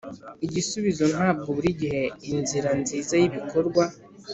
igisubizo ntabwo buri gihe inzira nziza yibikorwa.